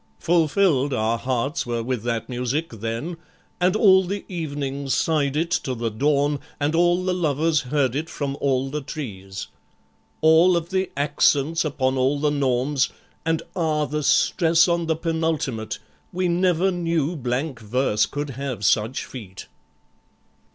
Fulfilled our hearts were with that music then, And all the evenings sighed it to the dawn, And all the lovers heard it from all the trees. All of the accents upon all the norms! And ah! the stress on the penultimate! We never knew blank verse could have such feet.